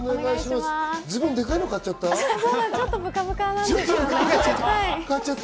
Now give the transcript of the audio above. ズボン、でかいの買っちゃった？